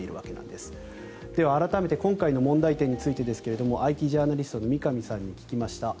では改めて今回の問題点についてですがＩＴジャーナリストの三上さんに聞きました。